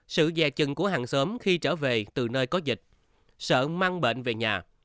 sự dè chừng của hàng sớm khi trở về từ nơi có dịch sợ mang bệnh về nhà